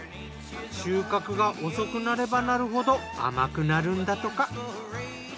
収穫が遅くなればなるほど甘くなるんだとか。